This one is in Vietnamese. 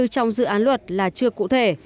sự án luật là chưa cụ thể